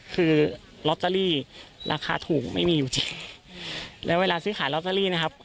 คือลอตเตอรี่ราคาถูกไม่มีอยู่จริงแล้วเวลาซื้อขายลอตเตอรี่นะครับ